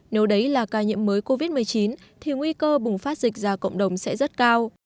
nếu đấy là ca nhiễm mới covid một mươi chín thì nguy cơ bùng phát dịch ra cộng đồng sẽ rất cao